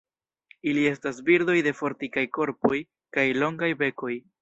Ili estas birdoj de fortikaj korpoj kaj longaj bekoj.